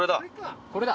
これだ。